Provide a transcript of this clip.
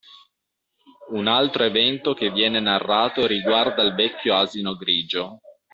Un altro evento che viene narrato riguarda il vecchio asino grigio